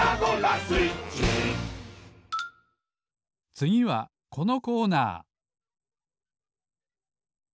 つぎはこのコーナー。